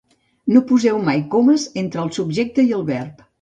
No poseu mai comes entre el subjecte i el verb.